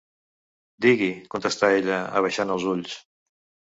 Digui,—contestà ella, abaixant els ulls.